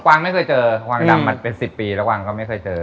วางไม่เคยเจอกวางดำมันเป็น๑๐ปีแล้วกวางก็ไม่เคยเจอ